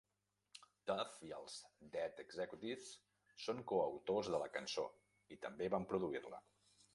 Duff i els Dead Executives són coautors de la cançó i també van produir-la.